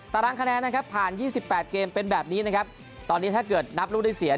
ตารางคะแนนนะครับผ่าน๒๘เกมเป็นแบบนี้นะครับตอนนี้ถ้าเกิดนับลูกได้เสีย